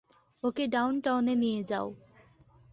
ওকে ডাউনটাউনে নিয়ে যাও।